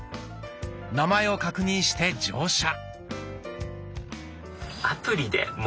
名前を確認して乗車。